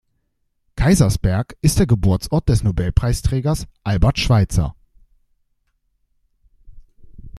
Kaysersberg ist der Geburtsort des Nobelpreisträgers Albert Schweitzer.